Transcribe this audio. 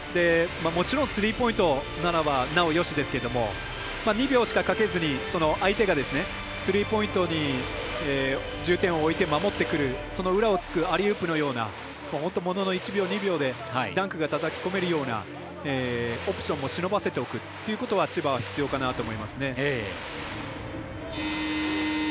もちろんスリーポイントならばなおよしですけども２秒しかかけずに相手がスリーポイントに重点を置いて守ってくる、その裏をつくアリウープのような本当にものの１秒か２秒でダンクがたたき込めるようなオプションも忍ばせておくということが千葉は必要かなと思いますね。